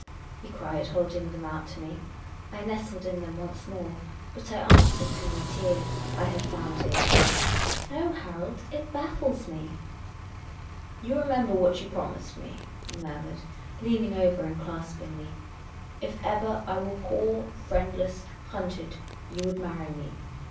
he cried, holding them out to me. I nestled in them once more ; but I answered through my tears — I had found tears now — "No, Harold; it baffles me." " You remember what you promised me ?" he murmured, leaning over me and clasping me. " If ever I were poor, friendless, hunted — you would marry me.